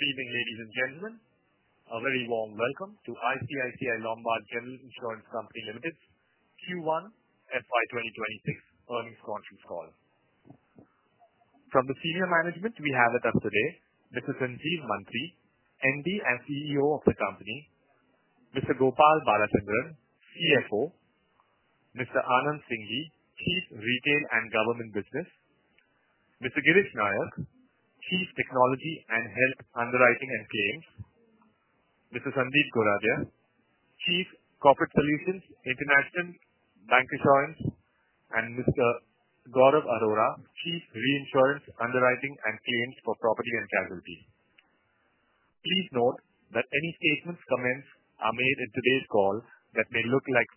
Good evening, ladies and gentlemen. A very warm welcome to ICICI Lombard General Insurance Company Limited's Q1 FY 2026 Earnings Conference Call. From the senior management, we have with us today Mr. Sanjeev Mantri, MD and CEO of the company, Mr. Gopal Balachandran, CFO, Mr. Anand Singhi, Chief Retail and Government Business, Mr. Girish Nayak, Chief Technology and Health Underwriting and Claims, Mr. Sandeep Goradia, Chief Corporate Solutions International Bancassurance, and Mr. Gaurav Arora, Chief Reinsurance Underwriting and Claims for Property and Casualty. Please note that any statements, comments made in today's call that may look like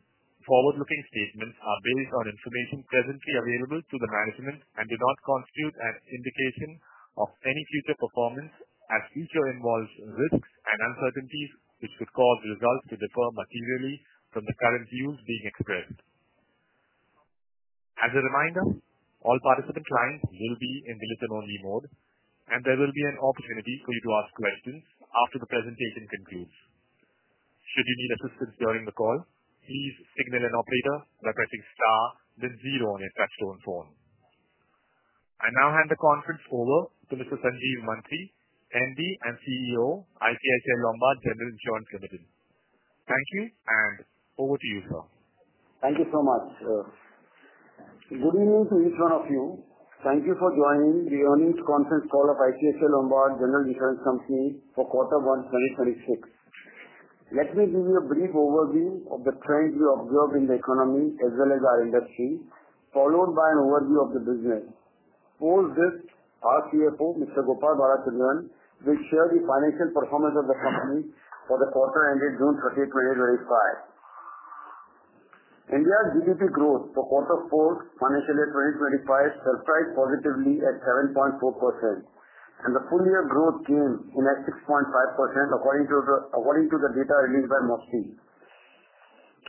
forward-looking statements are based on information presently available to the management and do not constitute an indication of any future performance, as future involves risks and uncertainties which could cause results to differ materially from the current views being expressed. As a reminder, all participant clients will be in the listen-only mode, and there will be an opportunity for you to ask questions after the presentation concludes. Should you need assistance during the call, please signal an operator by pressing star, then zero on your touch tone phone. I now hand the conference over to Mr. Sanjeev Mantri, MD and CEO ICICI Lombard General Insurance Company Limited. Thank you, and over to you, sir. Thank you so much. Good evening to each one of you. Thank you for joining the earnings conference call of ICICI Lombard General Insurance Company for quarter one 2026. Let me give you a brief overview of the trends we observe in the economy as well as our industry, followed by an overview of the business. Post this, our CFO, Mr. Gopal Balachandran, will share the financial performance of the company for the quarter ended June 30, 2025. India's GDP growth for quarter four, financial year 2025, surprised positively at 7.4%, and the full-year growth came in at 6.5% according to the data released by MoSPI.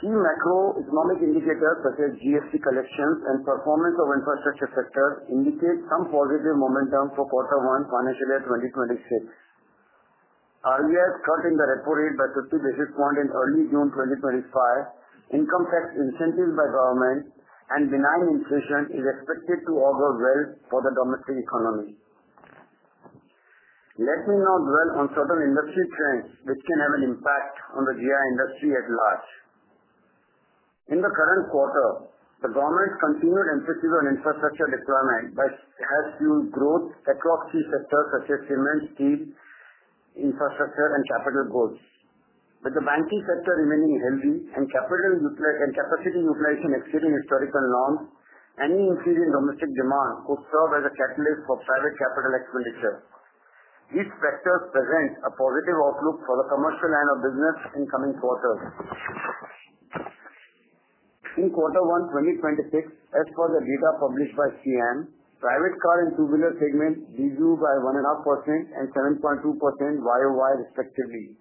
Key macroeconomic indicators such as GST collections and performance of infrastructure sectors indicate some positive momentum for quarter one, financial year 2026. RBI's cut in the repo rate by 50 basis points in early June 2025, income tax incentives by government, and benign inflation are expected to augur well for the domestic economy. Let me now dwell on certain industry trends which can have an impact on the GI industry at large. In the current quarter, the government's continued emphasis on infrastructure deployment has fueled growth across key sectors such as cement, steel, infrastructure, and capital goods. With the banking sector remaining healthy and capacity utilization exceeding historical norms, any increase in domestic demand could serve as a catalyst for private capital expenditure. These factors present a positive outlook for the commercial line of business in coming quarters. In quarter one 2026, as per the data published by SIAM, private car and two-wheeler segments decreased by 1.5% and 7.2% YoY respectively.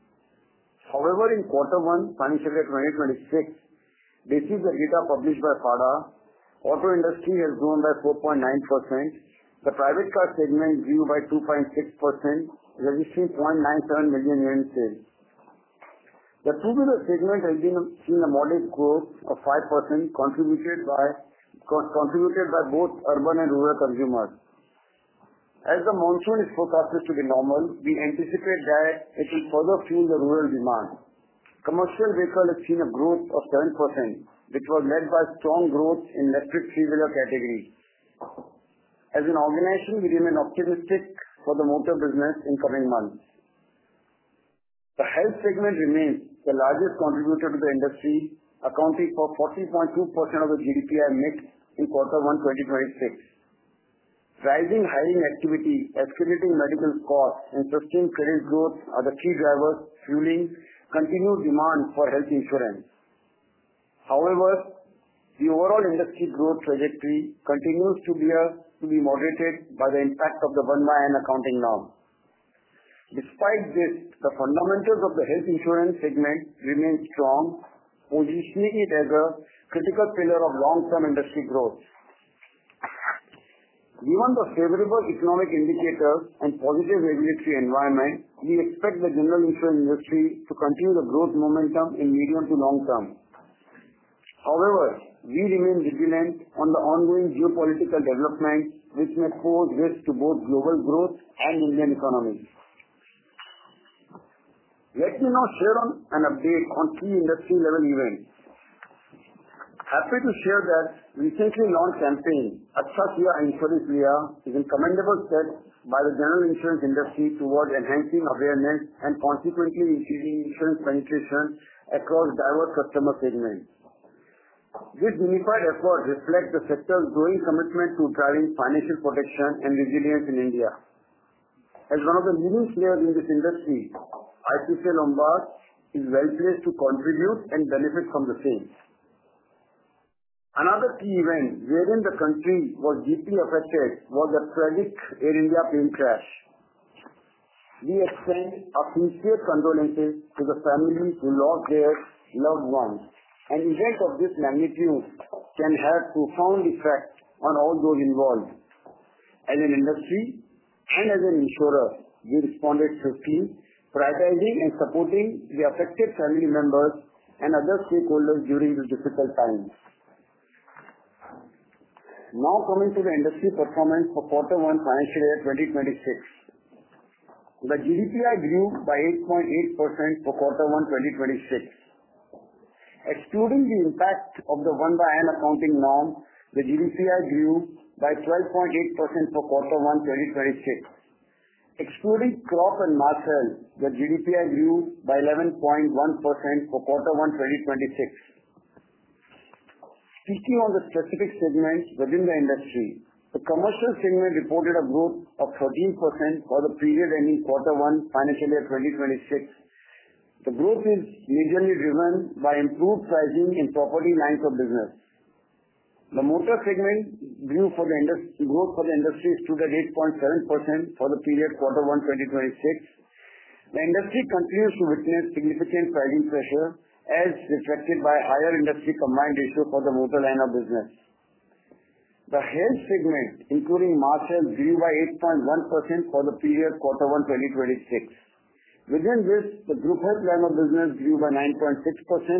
However, in quarter one financial year 2026. This is the data published by FADA, auto industry has grown by 4.9%, the private car segment grew by 2.6%, registering 0.97 million units sales. The two-wheeler segment has been seeing a modest growth of 5%, contributed by both urban and rural consumers. As the monsoon is forecasted to be normal, we anticipate that it will further fuel the rural demand. Commercial vehicles have seen a growth of 7%, which was led by strong growth in electric three-wheeler categories. As an organization, we remain optimistic for the motor business in coming months. The health segment remains the largest contributor to the industry, accounting for 40.2% of the GDPI mix in quarter one 2026. Rising hiring activity, escalating medical costs, and sustained credit growth are the key drivers fueling continued demand for health insurance. However, the overall industry growth trajectory continues to be moderated by the impact of the 1/n accounting norm. Despite this, the fundamentals of the health insurance segment remain strong, positioning it as a critical pillar of long-term industry growth. Given the favorable economic indicators and positive regulatory environment, we expect the general insurance industry to continue the growth momentum in medium to long term. However, we remain vigilant on the ongoing geopolitical development, which may pose risks to both global growth and Indian economy. Let me now share an update on key industry-level events. Happy to share that the recently launched campaign, Acha Kiya Insurance Liya, is a commendable step by the general insurance industry towards enhancing awareness and consequently increasing insurance penetration across diverse customer segments. This unified effort reflects the sector's growing commitment to driving financial protection and resilience in India. As one of the leading players in this industry, ICICI Lombard is well placed to contribute and benefit from the same. Another key event wherein the country was deeply affected was the tragic Air India plane crash. We extend our sincere condolences to the families who lost their loved ones. An event of this magnitude can have a profound effect on all those involved. As an industry and as an insurer, we responded swiftly, prioritizing and supporting the affected family members and other stakeholders during these difficult times. Now coming to the industry performance for quarter one financial year 2026. The GDPI grew by 8.8% for quarter one 2026. Excluding the impact of the 1/n accounting norm, the GDPI grew by 12.8% for quarter one 2026. Excluding crop and mass health, the GDPI grew by 11.1% for quarter one 2026. Speaking on the specific segments within the industry, the commercial segment reported a growth of 13% for the period ending quarter one financial year 2026. The growth is majorly driven by improved pricing in property lines of business. The motor segment grew for the industry to 8.7% for the period quarter one 2026. The industry continues to witness significant pricing pressure, as reflected by higher industry combined ratio for the motor line of business. The health segment, including miles sales, grew by 8.1% for the period quarter one 2026. Within this, the group health line of business grew by 9.6%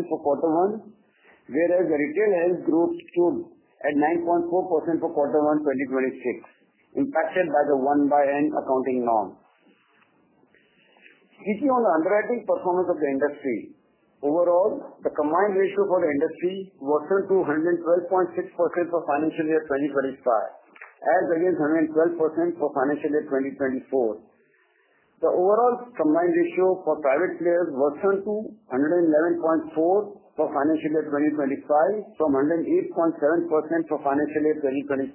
for quarter one, whereas the retail health group stood at 9.4% for quarter one 2026, impacted by the 1/n accounting norm. Speaking on the underwriting performance of the industry, overall, the combined ratio for the industry worsened to 112.6% for financial year 2025, as against 112% for financial year 2024. The overall combined ratio for private players worsened to 111.4% for financial year 2025, from 108.7% for financial year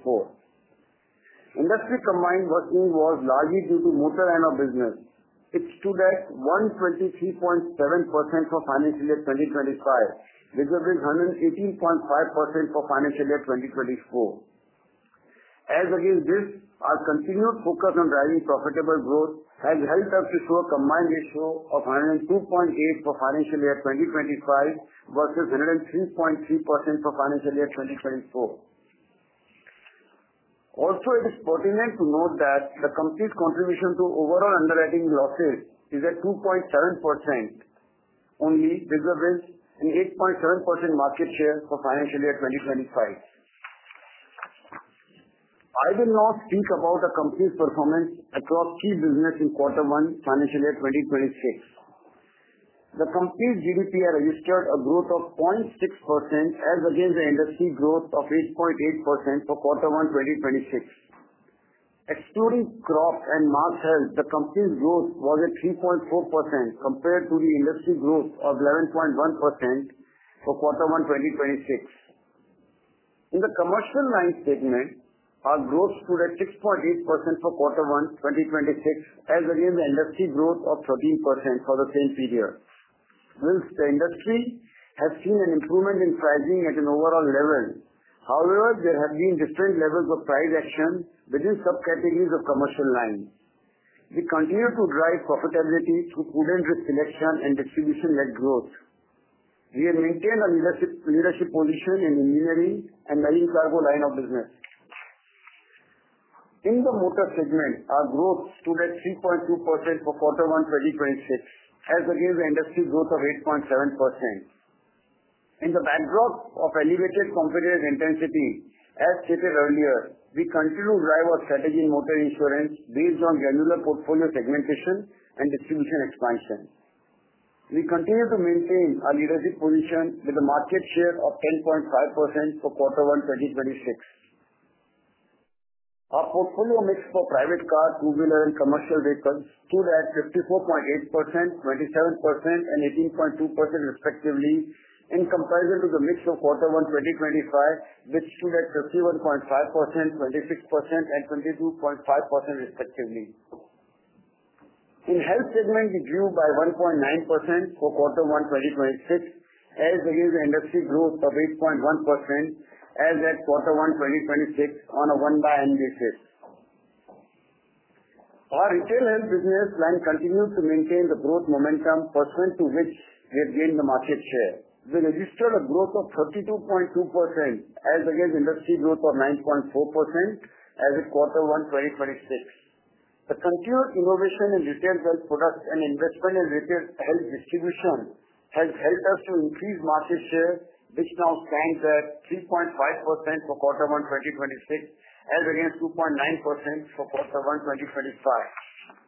2024. Industry combined worsening was largely due to the motor line of business. It stood at 123.7% for financial year 2025, visibly 118.5% for financial year 2024. As against this, our continued focus on driving profitable growth has helped us to show a combined ratio of 102.8% for financial year 2025 versus 103.3% for financial year 2024. Also, it is pertinent to note that the company's contribution to overall underwriting losses is at 2.7%. Only, visibly an 8.7% market share for financial year 2025. I will now speak about the company's performance across key business in quarter one financial year 2026. The company's GDPI registered a growth of 0.6%, as against the industry growth of 8.8% for quarter one 2026. Excluding crop and motor insurance sales, the company's growth was at 3.4% compared to the industry growth of 11.1% for quarter one 2026. In the commercial line segment, our growth stood at 6.8% for quarter one 2026, as against the industry growth of 13% for the same period. Whilst the industry has seen an improvement in pricing at an overall level, however, there have been different levels of price action within subcategories of commercial lines. We continue to drive profitability through prudent risk selection and distribution-led growth. We have maintained our leadership position in engineering and marine cargo line of business. In the motor segment, our growth stood at 3.2% for quarter one 2026, as against the industry growth of 8.7%. In the backdrop of elevated competitive intensity, as stated earlier, we continue to drive our strategy in motor insurance based on granular portfolio segmentation and distribution expansion. We continue to maintain our leadership position with a market share of 10.5% for quarter one 2026. Our portfolio mix for private car, two-wheeler, and commercial vehicles stood at 54.8%, 27%, and 18.2% respectively in comparison to the mix of quarter one 2025, which stood at 51.5%, 26%, and 22.5% respectively. In health segment, we grew by 1.9% for quarter one 2026, as against the industry growth of 8.1%, as at quarter one 2026 on a 1/n basis. Our retail health business line continues to maintain the growth momentum pursuant to which we have gained the market share. We registered a growth of 32.2%, as against industry growth of 9.4%, as of quarter one 2026. The continued innovation in retail health products and investment in retail health distribution has helped us to increase market share, which now stands at 3.5% for quarter one 2026, as against 2.9% for quarter one 2025.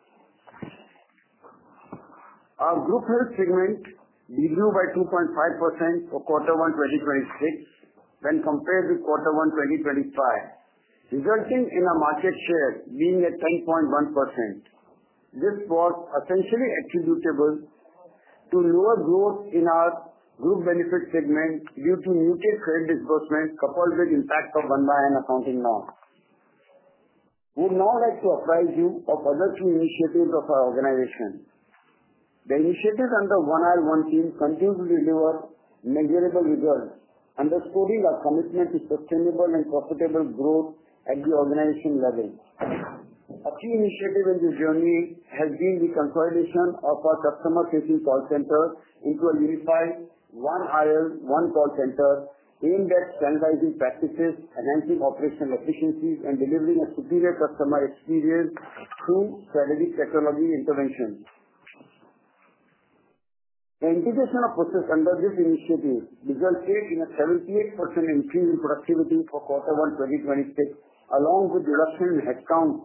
Our group health segment grew by 2.5% for quarter one 2026 when compared with quarter one 2025, resulting in our market share being at 10.1%. This was essentially attributable to lower growth in our group benefit segment due to muted credit disbursement coupled with the impact of 1/n accounting norm. We would now like to apprise you of other key initiatives of our organization. The initiatives under the One IL One team continue to deliver measurable results, underscoring our commitment to sustainable and profitable growth at the organization level. A key initiative in this journey has been the consolidation of our customer-facing call center into a unified One IL One call center aimed at standardizing practices, enhancing operational efficiencies, and delivering a superior customer experience through strategic technology interventions. The integration of processes under this initiative resulted in a 78% increase in productivity for quarter one 2026, along with the reduction in headcount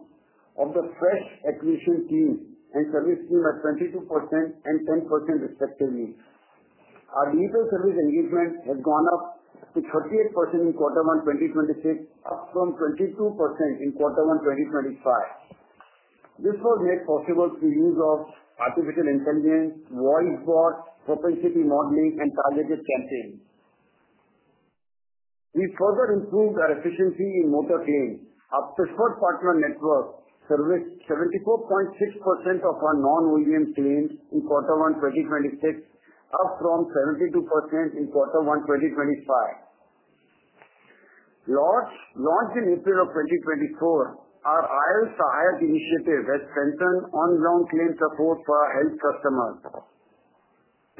of the fresh acquisition team and service team at 22% and 10% respectively. Our digital service engagement has gone up to 38% in quarter one 2026, up from 22% in quarter one 2025. This was made possible through the use of artificial intelligence, voice bots, propensity modeling, and targeted campaigns. We further improved our efficiency in motor claims. Our preferred partner network serviced 74.6% of our non-volume claims in quarter one 2026, up from 72% in quarter one 2025. Launched in April of 2024, our IL Sahayak initiative has strengthened ongoing claim support for our health customers.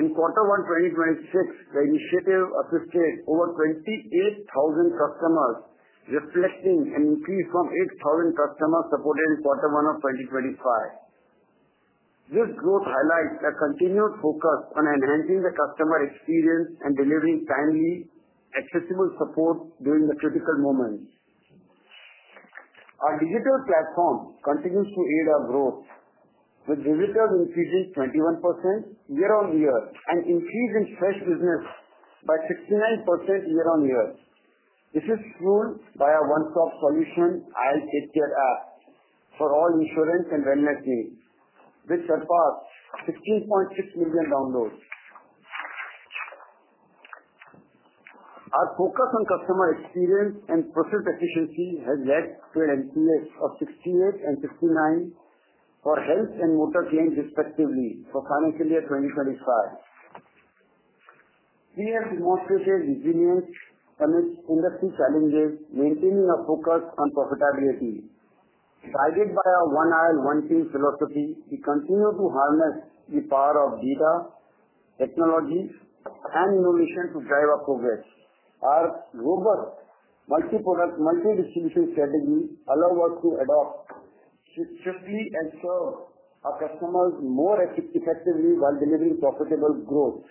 In quarter one 2026, the initiative assisted over 28,000 customers, reflecting an increase from 8,000 customers supported in quarter one of 2025. This growth highlights a continued focus on enhancing the customer experience and delivering timely, accessible support during the critical moments. Our digital platform continues to aid our growth, with visitors increasing 21% year on year and increasing fresh business by 69% year on year. This is fueled by our one-stop solution, IL TakeCare app, for all insurance and wellness needs, which surpassed 15.6 million downloads. Our focus on customer experience and process efficiency has led to an increase of 68% and 69% for health and motor claims respectively for financial year 2025. We have demonstrated resilience amidst industry challenges, maintaining our focus on profitability. Guided by our One IL One team philosophy, we continue to harness the power of data, technology, and innovation to drive our progress. Our robust multi-product, multi-distribution strategy allows us to adopt strictly and serve our customers more effectively while delivering profitable growth.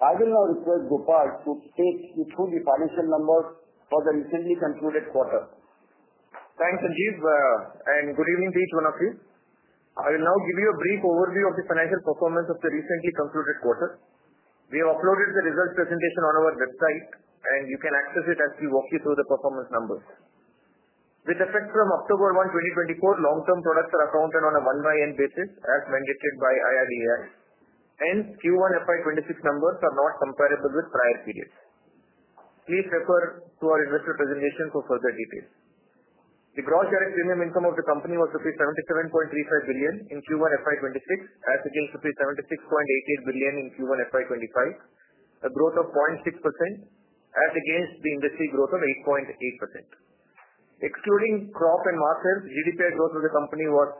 I will now request Gopal to state the financial numbers for the recently concluded quarter. Thanks, Sanjeev, and good evening to each one of you. I will now give you a brief overview of the financial performance of the recently concluded quarter. We have uploaded the results presentation on our website, and you can access it as we walk you through the performance numbers. With effect from October 1, 2024, long-term products are accounted on a 1/n basis, as mandated by IRDAI, and Q1 FY 2026 numbers are not comparable with prior periods. Please refer to our investor presentation for further details. The gross direct premium income of the company was rupees 77.35 billion in Q1 FY 2026, as against rupees 76.88 billion in Q1 FY 2025, a growth of 0.6%, as against the industry growth of 8.8%. Excluding crop and mass health, GDPI growth of the company was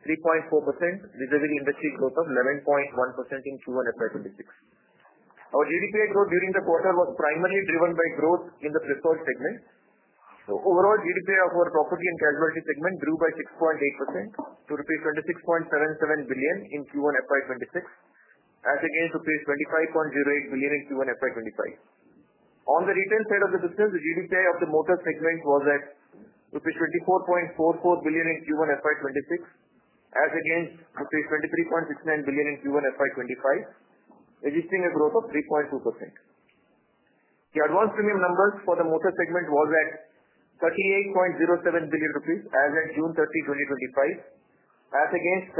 3.4%, vis-à-vis the industry growth of 11.1% in Q1 FY 2026. Our GDPI growth during the quarter was primarily driven by growth in the preferred segment. Overall, GDPI of our property and casualty segment grew by 6.8% to rupees 26.77 billion in Q1 FY 2026, as against rupees 25.08 billion in Q1 FY 2025. On the retail side of the business, the GDPI of the motor segment was at rupees 24.44 billion in Q1 FY 2026, as against rupees 23.69 billion in Q1 FY 2025, existing a growth of 3.2%. The advanced premium numbers for the motor segment were at 38.07 billion rupees, as at June 30, 2025, as against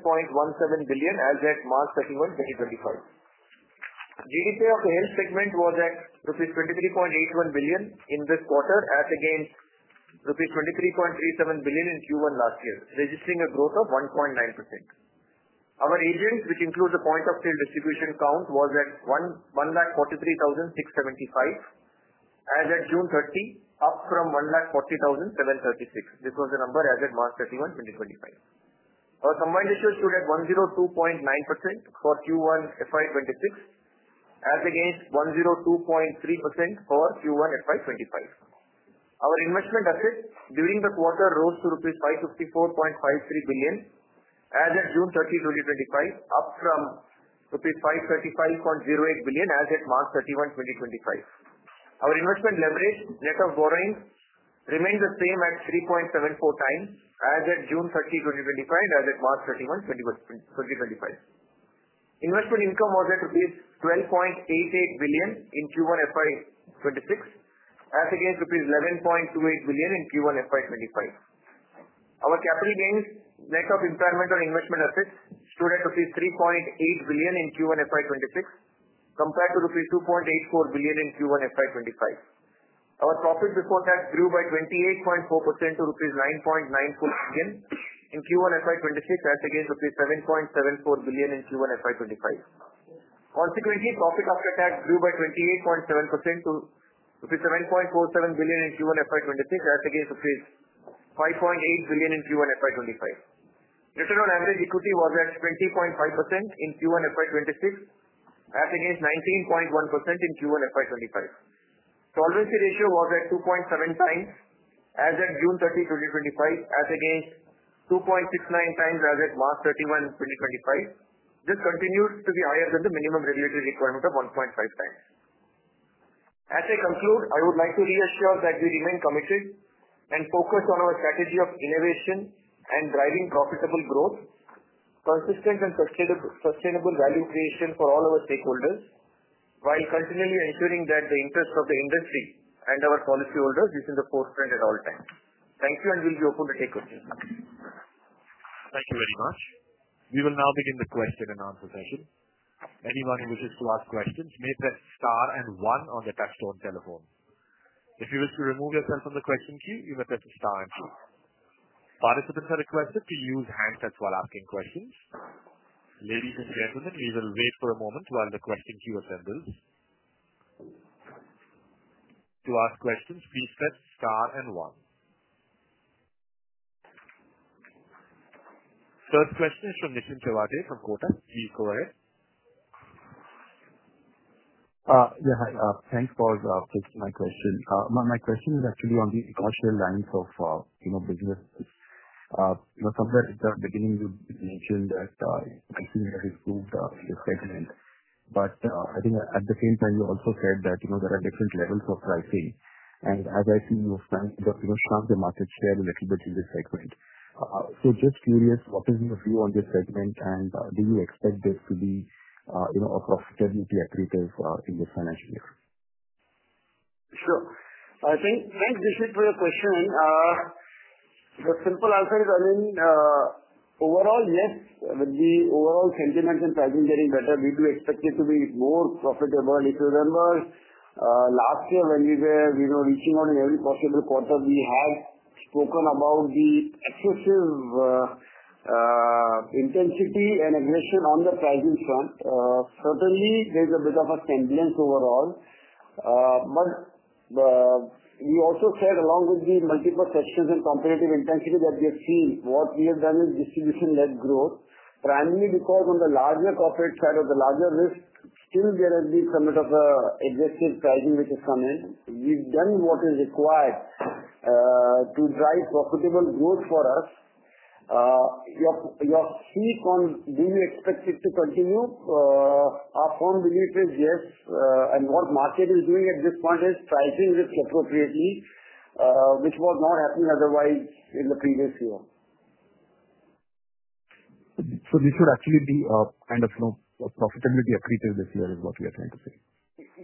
37.17 billion, as at March 31, 2025. GDPI of the health segment was at rupees 23.81 billion in this quarter, as against rupees 23.37 billion in Q1 last year, registering a growth of 1.9%. Our agent, which includes the point-of-sale distribution count, was at 143,675 as at June 30, up from 140,736. This was the number as at March 31, 2025. Our combined ratio stood at 102.9% for Q1 FY 2026, as against 102.3% for Q1 FY 2025. Our investment assets during the quarter rose to rupees 554.53 billion, as at June 30, 2025, up from rupees 535.08 billion, as at March 31, 2025. Our investment leverage net of borrowing remained the same at 3.74x, as at June 30, 2025, and as at March 31, 2025. Investment income was at rupees 12.88 billion in Q1 FY26, as against rupees 11.28 billion in Q1 FY25. Our capital gains, net of employment or investment assets, stood at INR 3.8 billion in Q1 FY 2026, compared to 2.84 billion in Q1 FY 2025. Our profit before tax grew by 28.4% to rupees 9.94 billion in Q1 FY 2026, as against rupees 7.74 billion in Q1 FY 2025. Consequently, profit after tax grew by 28.7% to rupees 7.47 billion in Q1 FY 2026, as against rupees 5.8 billion in Q1 FY 2025. Return On Average Equity was at 20.5% in Q1 FY 2026, as against 19.1% in Q1 FY 2025. Solvency ratio was at 2.7x, as at June 30, 2025, as against 2.69x, as at March 31, 2025. This continues to be higher than the minimum regulatory requirement of 1.5x. As I conclude, I would like to reassure that we remain committed and focused on our strategy of innovation and driving profitable growth, consistent and sustainable value creation for all our stakeholders, while continually ensuring that the interest of the industry and our policyholders is in the forefront at all times. Thank you, and we'll be open to take questions. Thank you very much. We will now begin the question-and-answer session. Anyone who wishes to ask questions may press star and one on the touch tone telephone. If you wish to remove yourself from the question queue, you may press star and two. Participants are requested to use hands while asking questions. Ladies and gentlemen, we will wait for a moment while the question queue assembles. To ask questions, please press star and one. First question is from Nishith Chheda from Kotak. Please go ahead. Yeah, thanks for taking my question. My question is actually on the commercial lines of business. Somewhere at the beginning, you mentioned that I think that is good, the segment. But I think at the same time, you also said that there are different levels of pricing. And as I see you of time, you have shrunk the market share a little bit in this segment. Just curious, what is your view on this segment, and do you expect this to be a profitability upgrade in this financial year? Sure. Thanks, Nishith, for the question. The simple answer is, I mean, overall, yes. With the overall sentiment and pricing getting better, we do expect it to be more profitable. If you remember, last year, when we were reaching out in every possible quarter, we had spoken about the excessive intensity and aggression on the pricing front. Certainly, there's a bit of a semblance overall. We also said, along with the multiple sections and competitive intensity, that we have seen what we have done is distribution-led growth, primarily because on the larger corporate side or the larger risk, still there has been somewhat of an excessive pricing which has come in. We've done what is required to drive profitable growth for us. Your seat on do you expect it to continue? Our firm belief is yes. What market is doing at this point is pricing risk appropriately, which was not happening otherwise in the previous year. This would actually be kind of profitability upgrade this year is what we are trying to say.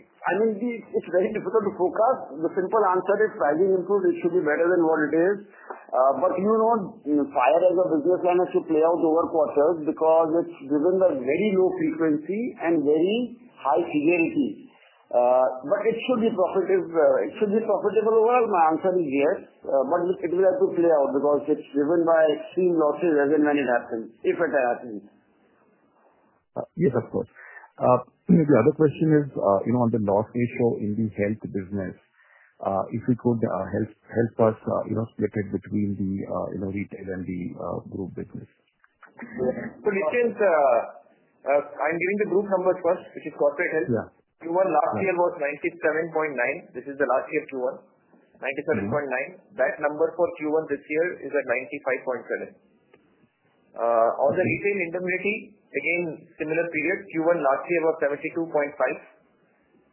I mean, it's very difficult to forecast. The simple answer is pricing improved. It should be better than what it is. But you know, fire, as a business plan, has to play out over quarters because it's driven by very low frequency and very high severity. It should be profitable. It should be profitable overall. My answer is yes. It will have to play out because it's driven by extreme losses as and when it happens, if it happens. Yes, of course. The other question is on the loss ratio in the health business. If you could help us split it between the retail and the group business. So Nishith. I'm giving the group numbers first, which is corporate health. Q1 last year was 97.9%. This is the last year Q1, 97.9%. That number for Q1 this year is at 95.7%. On the retail indemnity, again, similar period. Q1 last year was 72.5%.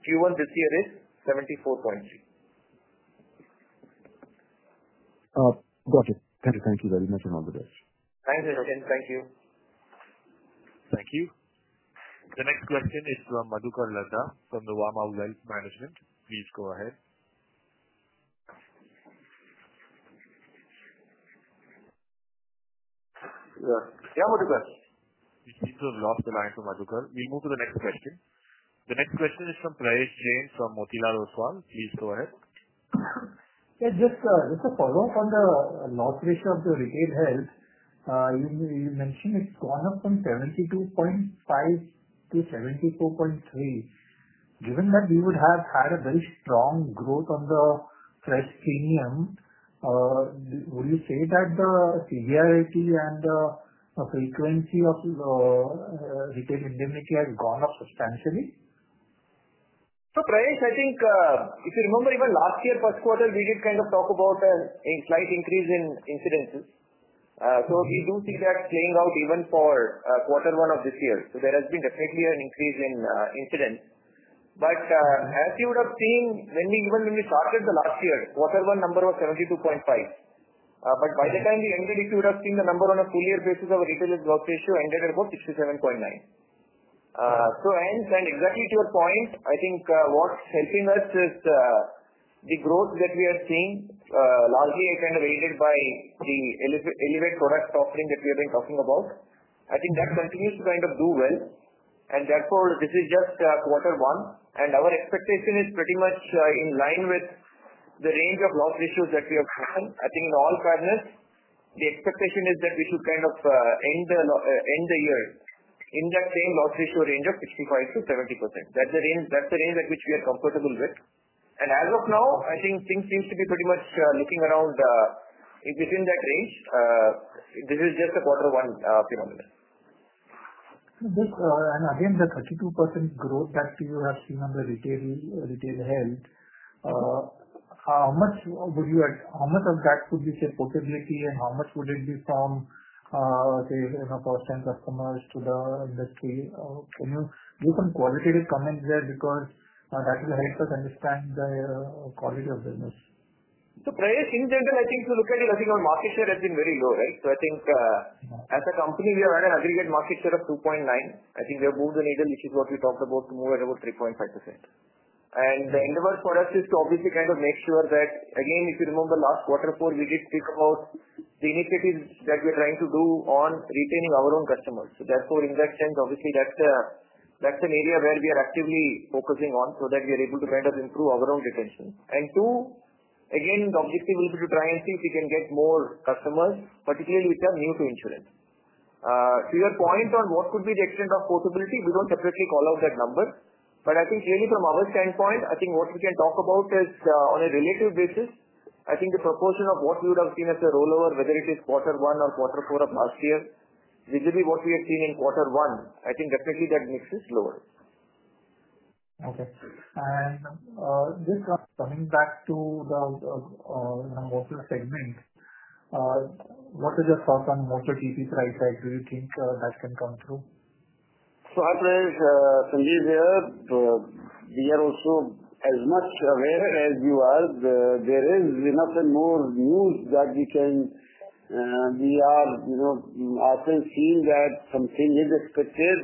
Q1 this year is 74.3%. Got it. Thank you. Thank you very much, and all the best. Thanks, Nishith. Thank you. Thank you. The next question is from Madhukar Ladha from Nuvama Wealth Management. Please go ahead. Yeah, Madhukar. You seem to have lost the line for Madhukar. We'll move to the next question. The next question is from Prayesh Jain from Motilal Oswal. Please go ahead. Yeah, just a follow-up on the loss ratio of the retail health. You mentioned it's gone up from 72.5% to 74.3%. Given that we would have had a very strong growth on the fresh premium. Would you say that the severity and the frequency of retail indemnity has gone up substantially? So Prayesh, I think if you remember, even last year, first quarter, we did kind of talk about a slight increase in incidences. We do see that playing out even for quarter one of this year. There has been definitely an increase in incidents. As you would have seen, even when we started last year, quarter one number was 72.5%. By the time we ended, if you would have seen the number on a full-year basis of a retail loss ratio, it ended at about 67.9%. Hence, and exactly to your point, I think what is helping us is the growth that we are seeing, largely kind of aided by the elevate product offering that we have been talking about. I think that continues to kind of do well. Therefore, this is just quarter one. Our expectation is pretty much in line with the range of loss ratios that we have seen. I think in all fairness, the expectation is that we should kind of end the year in that same loss ratio range of 65%-70%. That's the range at which we are comfortable with. As of now, I think things seem to be pretty much looking around within that range. This is just a quarter one phenomenon. Again, the 32% growth that you have seen on the retail health, how much would you add? How much of that could be, say, portability, and how much would it be from, say, first-time customers to the industry? Can you give some qualitative comments there because that will help us understand the quality of business? Prayesh, in general, I think if you look at it, I think our market share has been very low, right? I think as a company, we have had an aggregate market share of 2.9%. I think we have moved the needle, which is what we talked about, to move at about 3.5%. The endeavor for us is to obviously kind of make sure that, again, if you remember last quarter four, we did speak about the initiatives that we are trying to do on retaining our own customers. Therefore, in that sense, obviously, that's an area where we are actively focusing on so that we are able to kind of improve our own retention. Two, again, the objective will be to try and see if we can get more customers, particularly which are new to insurance. To your point on what could be the extent of portability, we do not separately call out that number. I think really from our standpoint, what we can talk about is on a relative basis, the proportion of what we would have seen as a rollover, whether it is quarter one or quarter four of last year, vis-à-vis what we have seen in quarter one, definitely that mix is lower. Okay. Just coming back to the motor segment. What are your thoughts on motor GP price? Do you think that can come through? Prayesh, Sanjeev here. We are also as much aware as you are. There is nothing more news that we can. We are often seeing that something is expected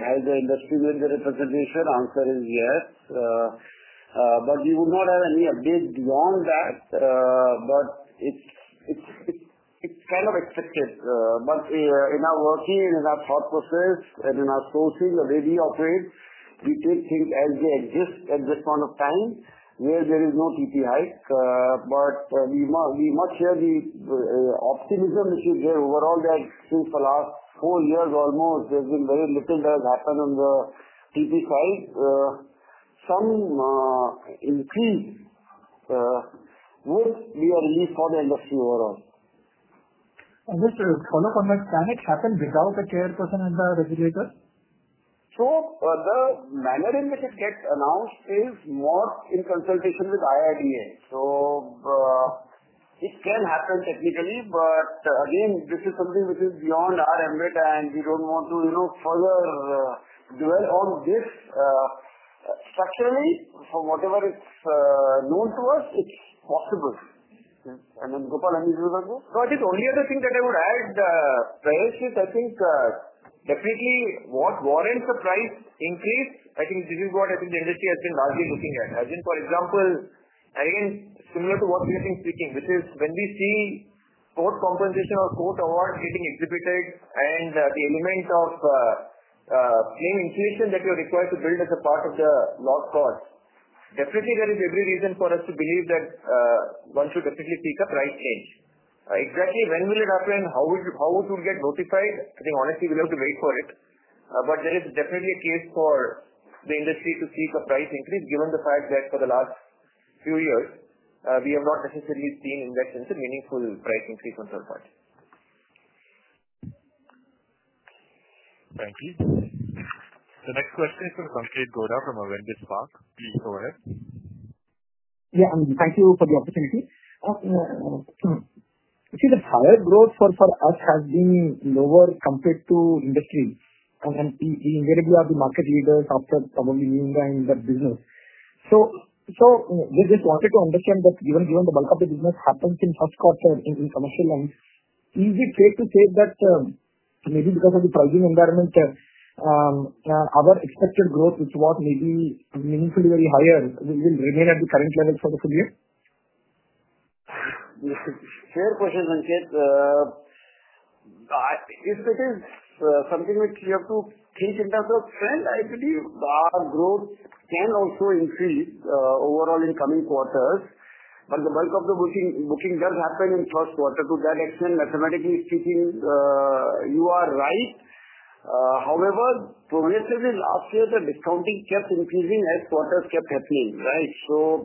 by the industry-made representation. Answer is yes. But we would not have any update beyond that. It is kind of expected. In our working and in our thought process and in our sourcing, the way we operate, we take things as they exist at this point of time where there is no GP hike. We must share the optimism which is there overall that since the last four years almost, there has been very little that has happened on the GP side. Some increase would be a relief for the industry overall. Just to follow up on that, can it happen without a chairperson and the regulator? The manner in which it gets announced is more in consultation with IRDAI. It can happen technically. This is something which is beyond our ambit, and we do not want to further dwell on this. Structurally, for whatever is known to us, it is possible. Gopal, anything else on this? No, I think the only other thing that I would add, Prayesh, is I think definitely what warrants the price increase, I think this is what I think the industry has been largely looking at. As in, for example, and again, similar to what we have been speaking, which is when we see court compensation or court award getting exhibited and the element of claim inflation that you are required to build as a part of the loss cause, definitely there is every reason for us to believe that one should definitely seek a price change. Exactly when will it happen? How it would get notified? I think, honestly, we'll have to wait for it. There is definitely a case for the industry to seek a price increase, given the fact that for the last few years, we have not necessarily seen in that sense a meaningful price increase on the part. Thank you. The next question is from Sanketh Godha from Avendus Spark. Please go ahead. Yeah, and thank you for the opportunity. See, the prior growth for us has been lower compared to industry. We invariably are the market leaders after probably being in the business. We just wanted to understand that even given the bulk of the business happens in first quarter in commercial lines, is it fair to say that maybe because of the pricing environment, our expected growth, which was maybe meaningfully very higher, will remain at the current level for the full year? Fair question, Sanketh. If it is something which you have to take in terms of trend, I believe our growth can also increase overall in coming quarters. The bulk of the booking does happen in first quarter. To that extent, mathematically speaking, you are right. However, progressively last year, the discounting kept increasing as quarters kept happening, right?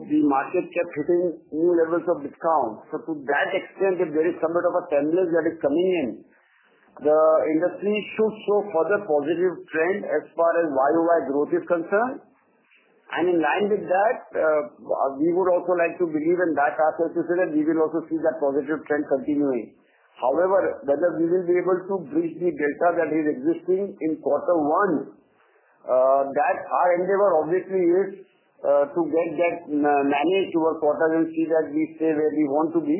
The market kept hitting new levels of discount. To that extent, if there is somewhat of a semblance that is coming in, the industry should show further positive trend as far as YoY growth is concerned. In line with that, we would also like to believe in that path as you said, and we will also see that positive trend continuing. However, whether we will be able to breach the delta that is existing in quarter one, that our endeavor obviously is to get that managed over quarter and see that we stay where we want to be.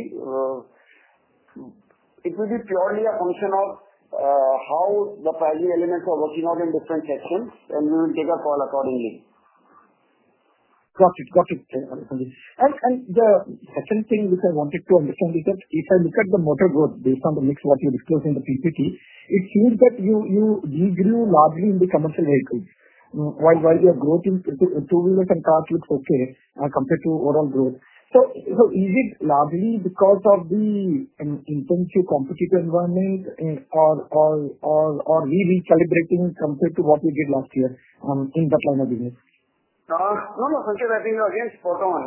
It will be purely a function of how the pricing elements are working out in different sections, and we will take a call accordingly. Got it. Got it. The second thing which I wanted to understand is that if I look at the motor growth based on the mix of what you disclosed in the PPT, it seems that you grew largely in the commercial vehicles. While your growth in two-wheelers and cars looks okay compared to overall growth. Is it largely because of the intensive competitive environment or recalibrating compared to what we did last year in that line of business? No, no, Sanketh, I think you're again spot on.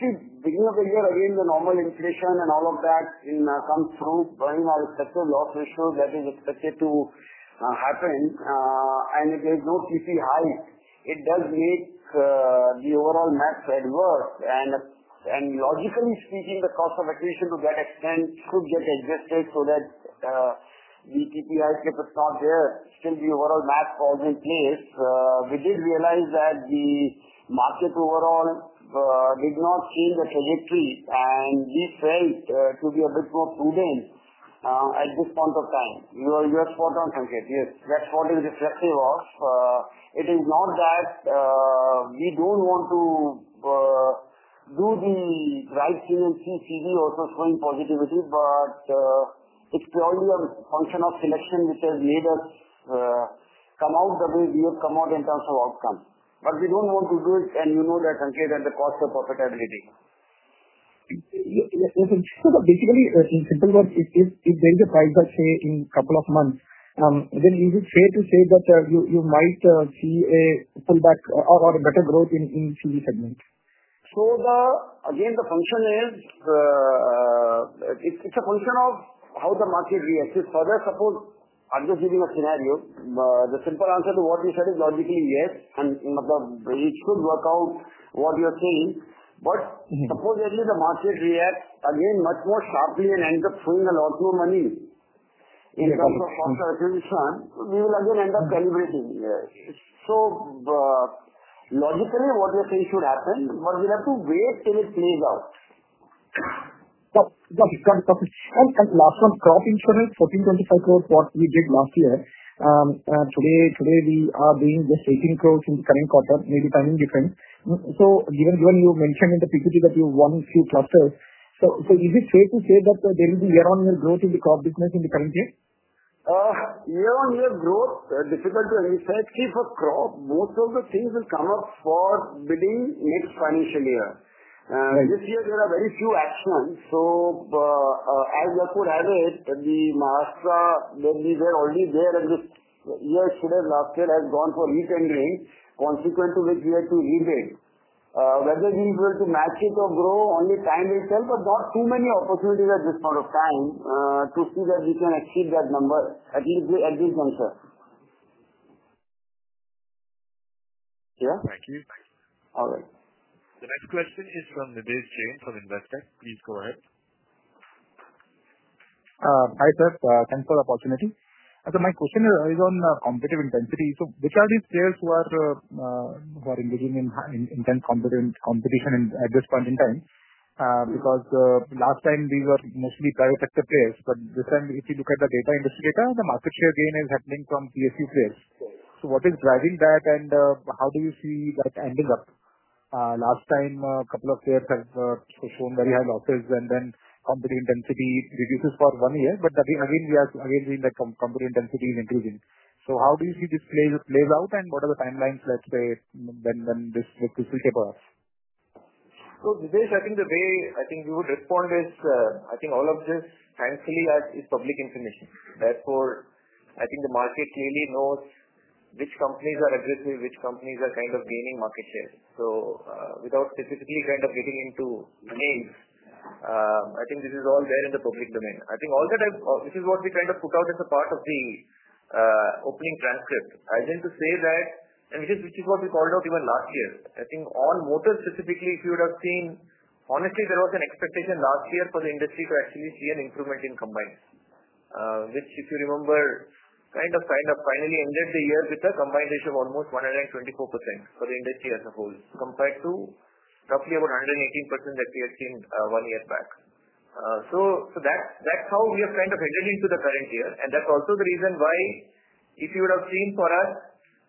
See, beginning of the year, again, the normal inflation and all of that comes through, but in our respective loss ratio, that is expected to happen. If there is no CV hike, it does make the overall math adverse. Logically speaking, the cost of acquisition to that extent could get adjusted so that the CV hike, if it's not there, still the overall math falls in place. We did realize that the market overall did not change the trajectory, and we failed to be a bit more prudent at this point of time. You are spot on, Sanketh. Yes, that's what is reflective of. It is not that we don't want to do the right thing and see CV also showing positivity, but it's purely a function of selection which has made us come out the way we have come out in terms of outcome. We do not want to do it, and you know that, Sanketh, at the cost of profitability. Basically, in simple words, if there is a price gap, say, in a couple of months, then is it fair to say that you might see a pullback or a better growth in the CV segment? Again, it is a function of how the market reacts. If, for that, suppose, I am just giving a scenario. The simple answer to what we said is logically yes, and it should work out the way you are saying. But suppose the market reacts again much more sharply and ends up throwing a lot more money. In terms of cost of acquisition, we will again end up calibrating. Logically, what we are saying should happen, but we have to wait till it plays out. Got it. Got it. Got it. Last one, crop insurance, 14.5 crore for what we did last year. Today, we are doing just 18 crore in the current quarter, maybe timing different. Given you mentioned in the PPT that you have won a few clusters, is it fair to say that there will be year-on-year growth in the crop business in the current year? Year-on-year growth, difficult to say. If you look at crop, most of the things will come up for within next financial year. This year, there are very few actions. As you could have it, Maharashtra, we were already there, and the year exceeded last year has gone for re-tender and reinsurance, consequent to which we had to rebid. Whether we will be able to match it or grow, only time will tell, but not too many opportunities at this point of time to see that we can achieve that number at this juncture. Yeah? Thank you. All right. The next question is from Nidhesh Jain from Investec. Please go ahead. Hi, sir. Thanks for the opportunity. So my question is on competitive intensity. Which are these players who are engaging in intense competition at this point in time? Because last time, these were mostly private sector players, but this time, if you look at the industry data, the market share gain is happening from PSU players. What is driving that, and how do you see that ending up? Last time, a couple of players have shown very high losses, and then competitive intensity reduces for one year, but again, we are again seeing that competitive intensity is increasing. How do you see this plays out, and what are the timelines, let's say, when this will taper off? Nidhesh, I think the way I think we would respond is I think all of this, thankfully, is public information. Therefore, I think the market clearly knows which companies are aggressive, which companies are kind of gaining market share. Without specifically kind of getting into names, I think this is all there in the public domain. I think all that I have, which is what we kind of put out as a part of the opening transcript, as in to say that, and which is what we called out even last year. I think on motor specifically, if you would have seen, honestly, there was an expectation last year for the industry to actually see an improvement in combined. Which, if you remember, kind of finally ended the year with a combined ratio of almost 124% for the industry as a whole, compared to roughly about 118% that we had seen one year back. That is how we have kind of headed into the current year, and that is also the reason why if you would have seen for us,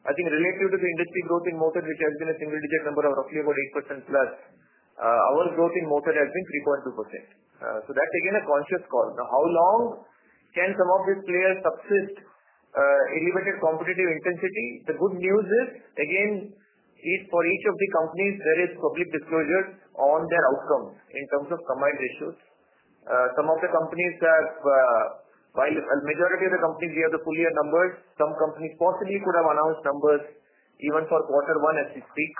I think relative to the industry growth in motor, which has been a single-digit number of roughly about 8%+, our growth in motor has been 3.2%. That is again a conscious call. Now, how long can some of these players subsist. Elevated competitive intensity? The good news is, again. For each of the companies, there is public disclosure on their outcomes in terms of combined ratios. Some of the companies have, while a majority of the companies we have the full year numbers, some companies possibly could have announced numbers even for quarter one as we speak.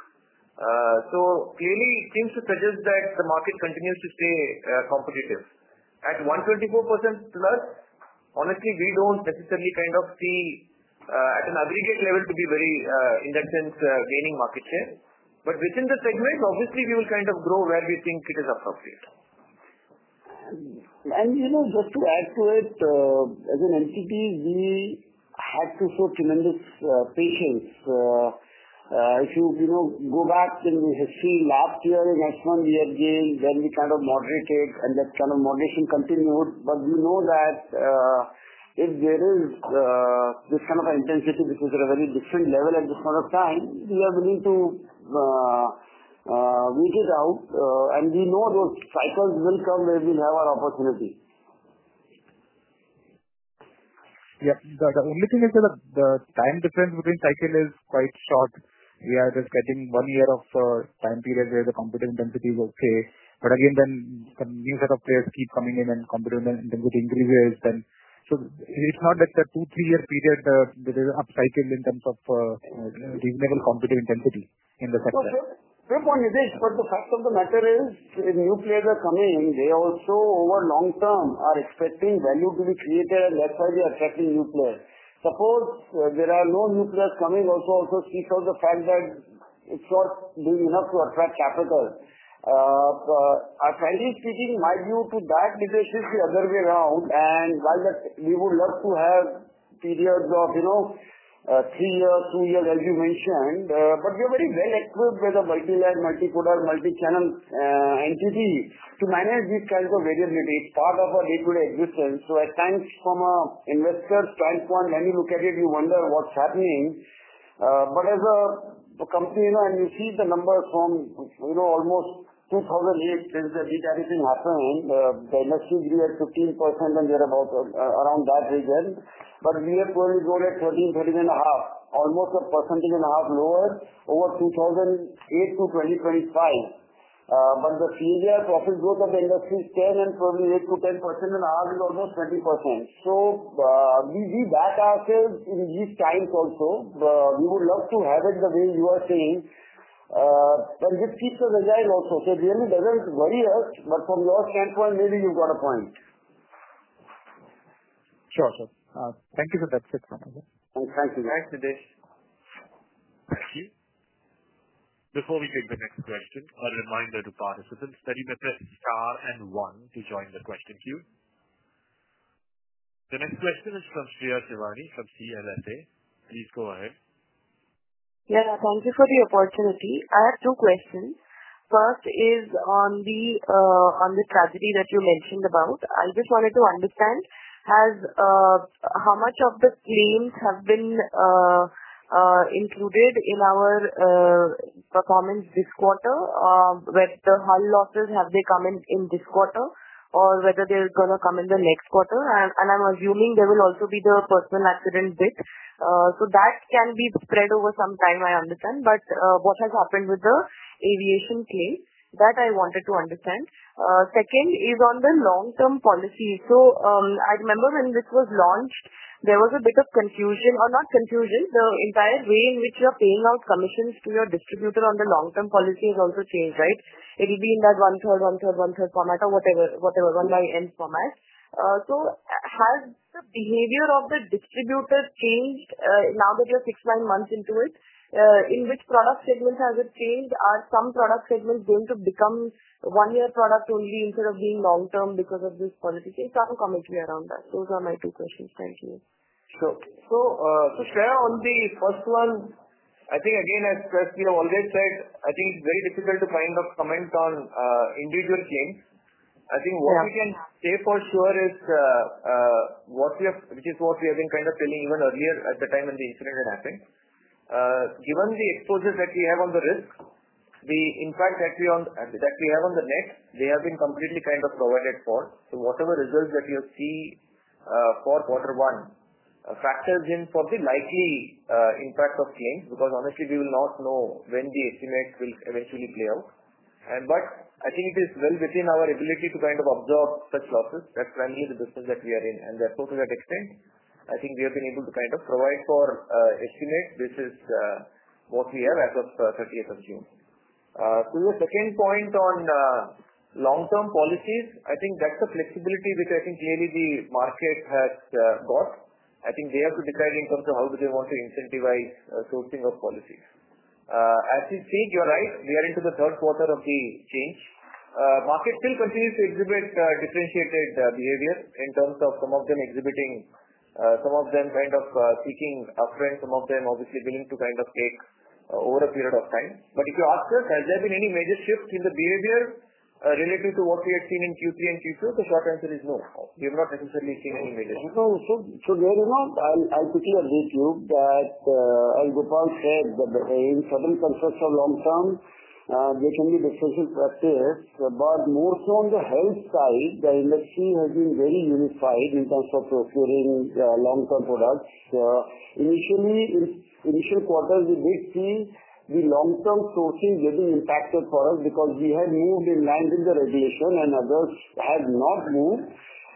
Clearly, it seems to suggest that the market continues to stay competitive. At 124%+, honestly, we do not necessarily kind of see at an aggregate level to be very, in that sense, gaining market share. Within the segment, obviously, we will kind of grow where we think it is appropriate. Just to add to it, as an entity, we had to show tremendous patience. If you go back in the history last year in S1, we had gained, then we kind of moderated, and that kind of moderation continued. We know that if there is this kind of intensity, which is at a very different level at this point of time, we are willing to wait it out, and we know those cycles will come where we'll have our opportunity. Yeah. The only thing is that the time difference between cycle is quite short. We are just getting one year of time period where the competitive intensity is okay. But again, then some new set of players keep coming in, and competitive intensity increases. It is not like the two, three-year period, there is an up cycle in terms of reasonable competitive intensity in the sector? No, sir. Fair point, Nidhesh, but the fact of the matter is, new players are coming. They also, over long term, are expecting value to be created, and that's why they are attracting new players. Suppose there are no new players coming, also speaks of the fact that it's not doing enough to attract capital. Frankly speaking, my view to that, Nidhesh, is the other way around. While we would love to have periods of three years, two years, as you mentioned, we are very well equipped with a multi-layer, multi-podal, multi-channel entity to manage these kinds of variability. It's part of our day-to-day existence. I think from an investor standpoint, when you look at it, you wonder what's happening. As a company, and you see the numbers from almost 2008, since the everything happened, the industry grew at 15%, and we are about around that region. We have probably grown at 13%, 13 and a half, almost a percentage and a half lower over 2008 to 2025. But the three-year profit growth of the industry is 10% and probably 8%-10%, and ours is almost 20%. We back ourselves in these times also. We would love to have it the way you are saying. This keeps us agile also. It really does not worry us, but from your standpoint, maybe you have got a point. Sure, sir. Thank you for that. Thank you. Thanks, Nidhesh. Thank you. Before we take the next question, a reminder to participants that you may press star and one to join the question queue. The next question is from Shreya Shivani from CLSA. Please go ahead. Yeah, thank you for the opportunity. I have two questions. First is on the tragedy that you mentioned about. I just wanted to understand how much of the claims have been included in our performance this quarter? The hull losses, have they come in this quarter, or whether they're going to come in the next quarter? I'm assuming there will also be the personal accident bit. That can be spread over some time, I understand. What has happened with the aviation claim? That I wanted to understand. Second is on the long-term policy. I remember when this was launched, there was a bit of confusion, or not confusion, the entire way in which you are paying out commissions to your distributor on the long-term policy has also changed, right? It will be in that 1/3, 1/3, 1/3 format or whatever, 1/n format. Has the behavior of the distributor changed now that you're six, nine months into it? In which product segments has it changed? Are some product segments going to become one-year product only instead of being long-term because of this policy? Please have a commentary around that. Those are my two questions. Thank you. Sure. So Shreya, on the first one, I think, again, as we have always said, I think it's very difficult to kind of comment on individual claims. I think what we can say for sure is what we have, which is what we have been kind of telling even earlier at the time when the incident had happened. Given the exposures that we have on the risks, the impact that we have on the net, they have been completely kind of provided for. So whatever results that you see for quarter one, factors in for the likely impact of claims, because honestly, we will not know when the estimate will eventually play out. I think it is well within our ability to kind of absorb such losses. That's primarily the business that we are in. Therefore, to that extent, I think we have been able to kind of provide for estimate. This is what we have as of 30th of June. To your second point on long-term policies, I think that's the flexibility which I think clearly the market has got. I think they have to decide in terms of how they want to incentivize sourcing of policies. As you speak, you're right. We are into the third quarter of the change. Market still continues to exhibit differentiated behavior in terms of some of them exhibiting, some of them kind of seeking upfront, some of them obviously willing to kind of take over a period of time. If you ask us, has there been any major shift in the behavior related to what we had seen in Q3 and Q2? The short answer is no. We have not necessarily seen any major shift. No, so there is not. I'll quickly agree with you that, as Gopal said, in certain concepts of long-term, there can be different practices. More so on the health side, the industry has been very unified in terms of procuring long-term products. Initially, in the initial quarter, we did see the long-term sourcing getting impacted for us because we had moved in line with the regulation, and others had not moved.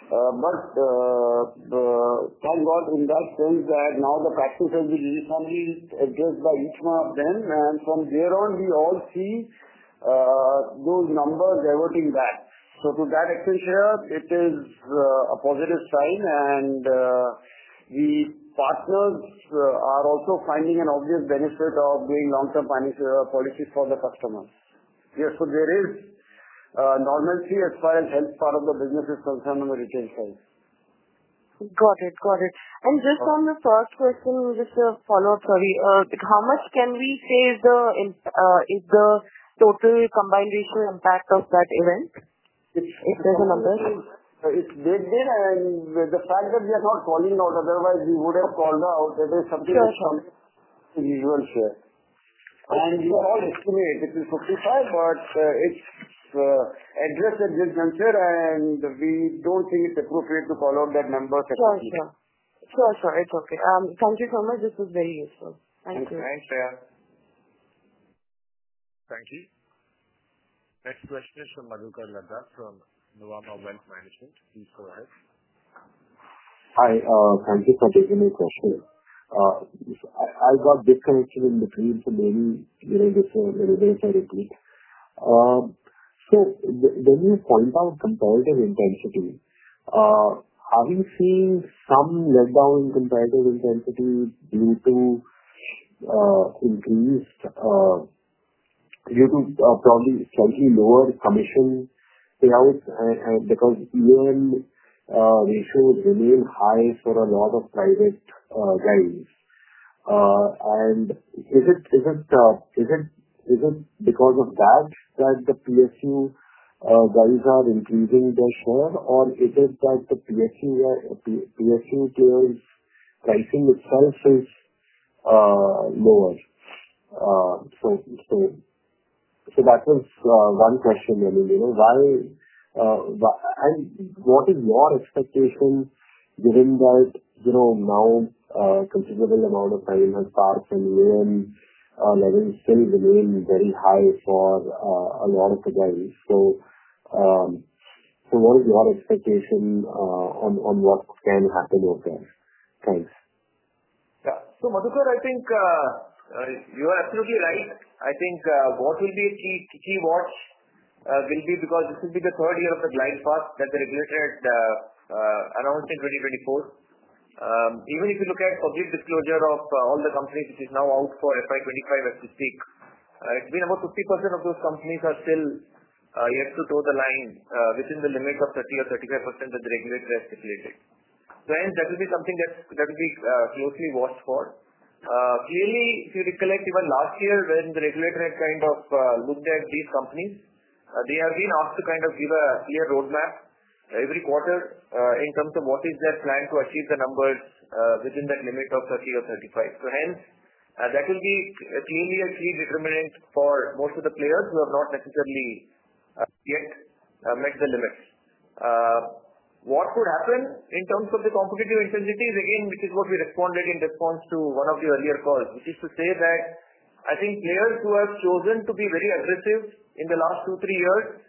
Thank God in that sense that now the practice has been uniformly addressed by each one of them. From there on, we all see those numbers reverting back. To that extent, Shreya, it is a positive sign. The partners are also finding an obvious benefit of doing long-term financial policies for the customers. Yes, so there is normalcy as far as health part of the business is concerned on the retail side. Got it. Got it. Just on the first question, just a follow-up, sorry. How much can we say is the total combined ratio impact of that event? If there's a number? It's big there, and the fact that we are not calling out, otherwise we would have called out, that is something that's common. The usual share. We all estimate it is 55%, but it's addressed at this juncture, and we don't think it's appropriate to call out that number. Sure, sure. It's okay. Thank you so much. This was very useful. Thank you. Thanks, Shreya. Thank you. Next question is from Madhukar Ladha from Nuvama Wealth Management. Please go ahead. Hi. Thank you for taking my question. I got disconnected in between today during this, hence I repeat. When you point out comparative intensity, have you seen some letdown in comparative intensity due to increased. Due to probably slightly lower commission payouts? Because E&M ratios remain high for a lot of private guys. Is it because of that that the PSU guys are increasing their share, or is it that the PSU players' pricing itself is lower? That was one question really. What is your expectation given that now a considerable amount of time has passed and E&M levels still remain very high for a lot of the guys? What is your expectation on what can happen over there? Thanks. Yeah. So Madhukar, I think you are absolutely right. I think what will be a key watch will be because this will be the third year of the glide path that the regulator has announced in 2024. Even if you look at public disclosure of all the companies which is now out for FY 2025 as we speak, it's been about 50% of those companies are still yet to draw the line within the limit of 30% or 35% that the regulator has stipulated. That will be something that will be closely watched for. Clearly, if you recollect, even last year when the regulator had kind of looked at these companies, they have been asked to kind of give a clear roadmap every quarter in terms of what is their plan to achieve the numbers within that limit of 30% or 35%. Hence, that will be clearly a key determinant for most of the players who have not necessarily yet met the limits. What could happen in terms of the competitive intensity is, again, which is what we responded in response to one of the earlier calls, which is to say that I think players who have chosen to be very aggressive in the last two, three years,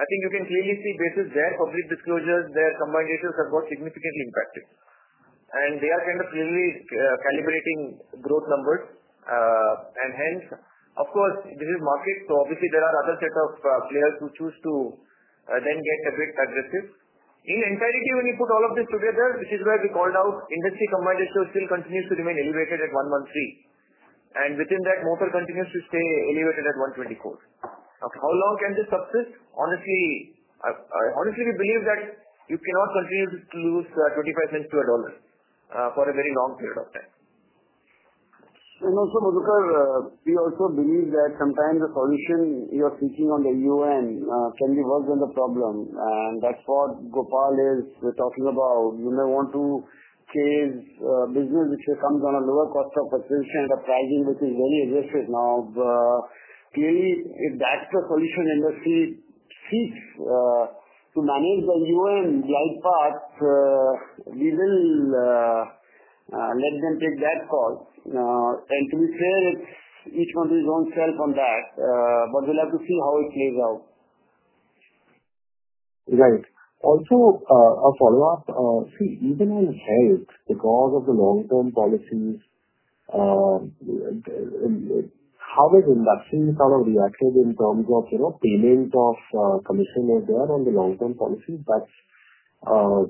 I think you can clearly see basis their public disclosures, their combined ratios have got significantly impacted. They are kind of clearly calibrating growth numbers. Hence, of course, this is market. Obviously, there are other set of players who choose to then get a bit aggressive. In entirety, when you put all of this together, which is why we called out, industry combined ratio still continues to remain elevated at 113%. Within that, motor continues to stay elevated at 124%. How long can this subsist? Honestly. We believe that you cannot continue to lose 0.25 to a dollar for a very long period of time. Also, Madhukar, we also believe that sometimes the solution you are seeking on the E&M can be worse than the problem. That is what Gopal is talking about. You may want to chase business which comes on a lower cost of acquisition and a pricing which is very aggressive now. Clearly, if that is the solution industry seeks to manage the E&M glide path, we will let them take that call. To be fair, it is each one of his own self on that. We will have to see how it plays out. Right. Also, a follow-up. See, even on health, because of the long-term policies, how has industry sort of reacted in terms of payment of commission as well on the long-term policies? That is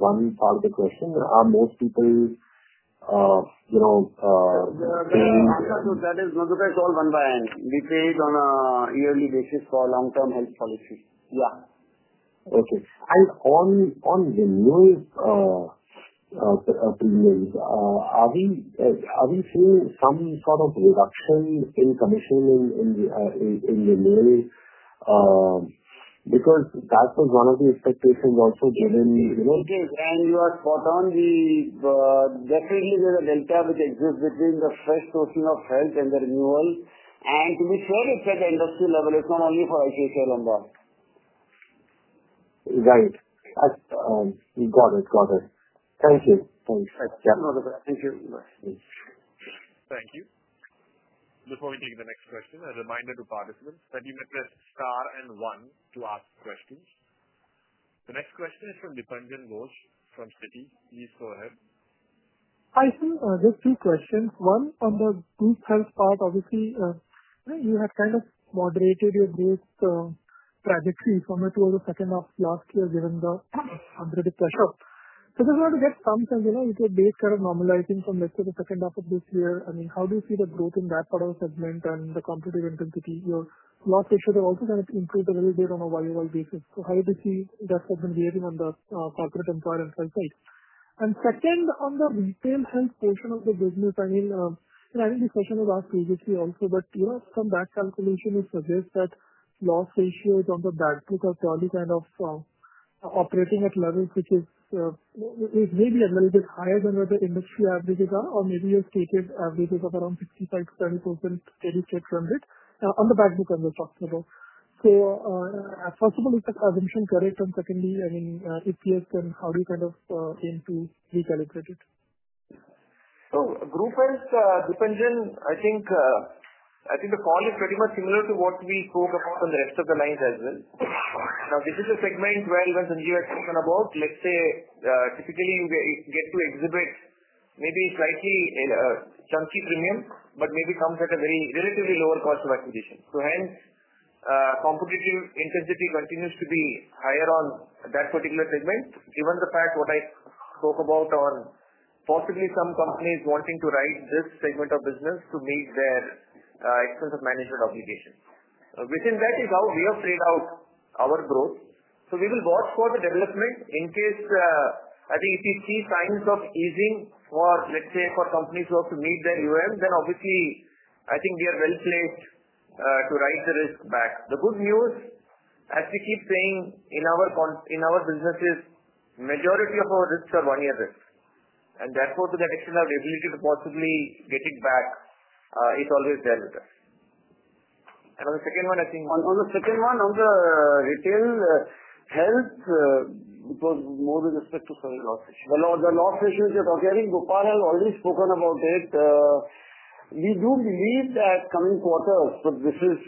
one part of the question. Are most people paying? That is, Madhukar, it's all one by one. We pay it on a yearly basis for long-term health policy. Yeah. Okay. On the new premiums, are we seeing some sort of reduction in commission in the new? Because that was one of the expectations also given. It is. You are spot on. Definitely, there's a delta which exists between the fresh sourcing of health and the renewal. To be fair, it's at the industry level. It's not only for ICICI Lombard. Right. Got it. Got it. Thank you. Thanks. Thank you, Madhukar. Thank you. Bye. Thank you. Before we take the next question, a reminder to participants that you may press star and one to ask questions. The next question is from Dipanjan Ghosh from Citi. Please go ahead. Hi, sir. Just two questions. One, on the group health part, obviously, you have kind of moderated your growth trajectory from the second half of last year given the unpredicted pressure. Just wanted to get some sense into a base kind of normalizing from the second half of this year. I mean, how do you see the growth in that part of the segment and the competitive intensity? Your loss ratio has also kind of improved a little bit on a volume basis. How do you see that segment behaving on the corporate employer and health side? Second, on the retail health portion of the business, I mean, I think this question was asked previously also, but from that calculation, it suggests that loss ratios on the backbook are probably kind of operating at levels which is. Maybe a little bit higher than what the industry averages are, or maybe your stated average is of around 65%-70%, maybe 600, on the backbook as we've talked about. First of all, is the transmission correct? And secondly, I mean, if yes, then how do you kind of aim to recalibrate it? Group health, Dipanjan, I think the call is pretty much similar to what we spoke about on the rest of the lines as well. Now, this is a segment where when some new X is coming about, let's say, typically, you get to exhibit maybe slightly chunky premium, but maybe comes at a relatively lower cost of acquisition. Hence, competitive intensity continues to be higher on that particular segment, given the fact what I spoke about on possibly some companies wanting to write this segment of business to meet their expense of management obligations. Within that is how we have played out our growth. We will watch for the development in case, I think, if we see signs of easing for, let's say, for companies who have to meet their E&M, then obviously, I think we are well placed to write the risk back. The good news, as we keep saying in our businesses, the majority of our risks are one-year risk. Therefore, to that extent, our ability to possibly get it back is always there with us. On the second one, I think. On the second one, on the retail health, it was more with respect to loss ratio. The loss ratios that we are talking about, I think Gopal has already spoken about it. We do believe that coming quarters, but this is.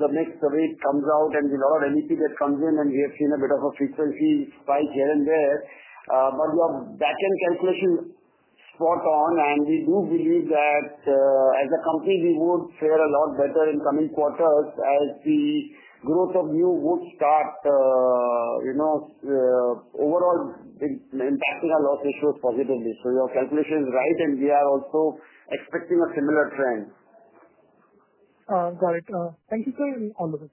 The mix the way it comes out and the lot of NEP that comes in, and we have seen a bit of a frequency spike here and there. Your backend calculation is spot on, and we do believe that as a company, we would fare a lot better in coming quarters as the growth of new would start. Overall, impacting our loss ratios positively. Your calculation is right, and we are also expecting a similar trend. Got it. Thank you, sir, and all the best.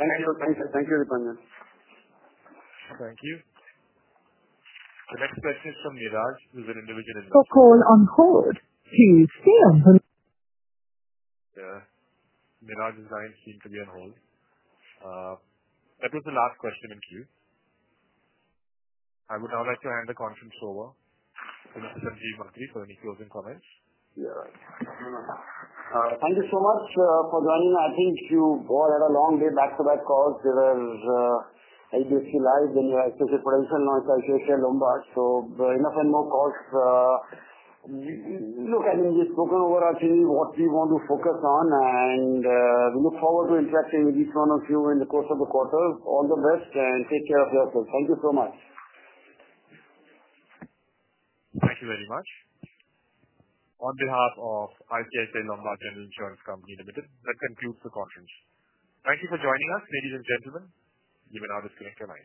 Thank you. Thank you, Dipanjan. Thank you. The next question is from Neeraj, who's an individual investor. Your call on hold. Please stay on the line. Yeah. Neeraj is now seemed to be on hold. That was the last question in queue. I would now like to hand the conference over to Mr. Sanjeev Mantri for any closing comments. Yeah. Thank you so much for joining me. I think you both had a long day, back-to-back calls. There were IBFC Live and your ICICI Lombard. So enough and more calls. Look, I mean, we've spoken overarching what we want to focus on, and we look forward to interacting with each one of you in the course of the quarter. All the best, and take care of yourself. Thank you so much. Thank you very much. On behalf of ICICI Lombard General Insurance Company Limited, that concludes the conference. Thank you for joining us, ladies and gentlemen. You may now disconnect your line.